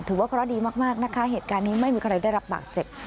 ถือว่าเคราะห์ดีมากนะคะเหตุการณ์นี้ไม่มีใครได้รับบาดเจ็บ